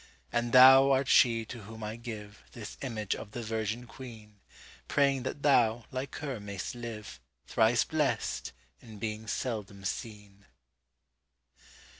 And thou art she to whom I giveThis image of the virgin queen, Praying that thou, like her, mayst liveThrice blest! in being seldom seen.